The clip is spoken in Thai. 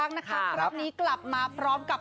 เอิ้นก่อนคุณมุตสมค่ะ